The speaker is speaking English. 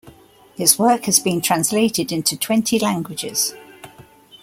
His work has been translated into twenty languages.